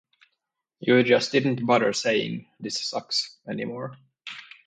You just didn't bother saying 'this sucks' anymore.